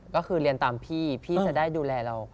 ก็คือเรียนตามพี่พี่จะได้ดูแลเรา